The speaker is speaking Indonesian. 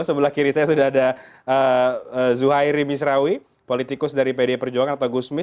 sebelah kiri saya sudah ada zuhairi misrawi politikus dari pdi perjuangan atau gusmis